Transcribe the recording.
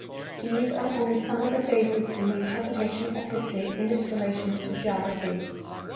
These are only some of the phases in the interpretation of history in its relation to geography.